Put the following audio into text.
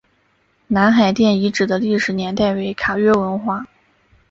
南海殿遗址的历史年代为卡约文化。